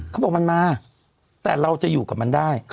เขาบอกมันมาแต่เราจะอยู่กับมันได้